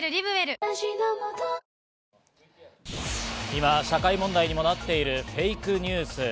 今、社会問題にもなっているフェイクニュース。